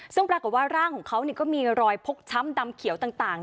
ซึ่งปรากฏว่าร่างของเขาก็มีรอยพกช้ำดำเขียวต่าง